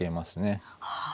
はい。